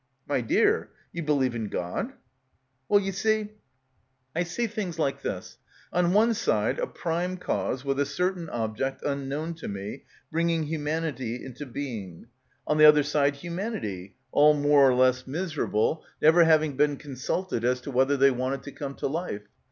"My dear, ye believe in God?" 'Well, you see, I see things like this. On one side a prime cause with a certain object unknown to me, bringing humanity into being; on the other — 135 — PILGRIMAGE side humanity, all more or less miserable, never having been consulted as to whether they wanted to come to life.